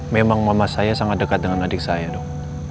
memang mama saya sangat dekat dengan adik saya dok